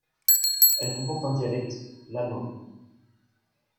Elle comporte un dialecte, l'amun.